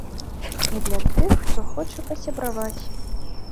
І для тых, хто хоча пасябраваць.